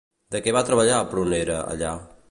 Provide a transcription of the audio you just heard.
De què va treballar Prunera allà?